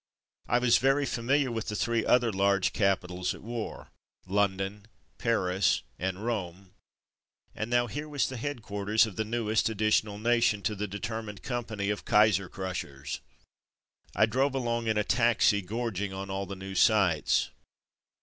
I was very familiar with the three other large capitals at war — London, Paris, and Rome, and now, here was the head quarters of the newest, additional nation to the determined company of Kaiser Crushers. I drove along in a taxi, gorging on all the new sights.